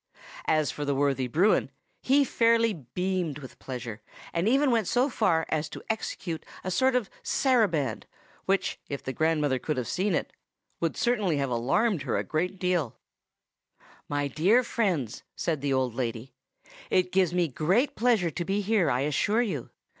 As for the worthy Bruin, he fairly beamed with pleasure, and even went so far as to execute a sort of saraband, which, if the grandmother could have seen it, would certainly have alarmed her a good deal. "My dear friends," said the old lady, "it gives me great pleasure to be here, I assure you.